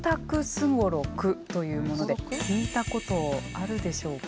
すごろくというもので聞いたことあるでしょうか？